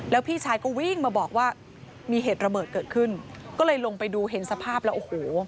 แล้วพี่ชายก็วิ่งมาบอกว่ามีเหตุระเบิดเกิดขึ้นก็เลยลงไปดูเห็นสภาพแล้วโอ้โห